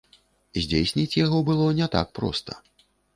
Здзейсніць яго было не так проста.